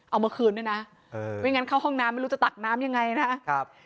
เอามาคืนด้วยนะไม่งั้นเข้าห้องน้ำไม่รู้จะตักน้ำยังไงนะครับ